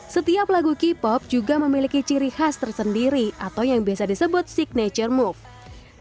setiap lagu k pop juga memiliki ciri khas tersendiri atau yang biasa disebut signature move